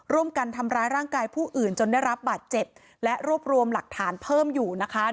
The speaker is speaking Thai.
ร่วมกันทำร้ายร่างกายผู้อื่นจนได้รับบาดเจ็บและรวบรวมหลักฐานเพิ่มอยู่นะคะ